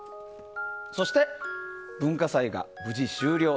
そして文化祭が無事終了。